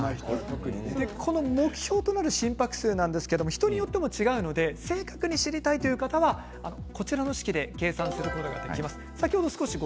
目標となる心拍数は人によっても違うので正確に知りたいという方はこちらの式で計算することができます。